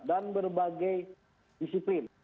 dan berbagai disiplin